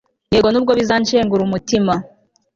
yego nubwo bizanshengura umutima